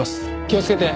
気をつけて。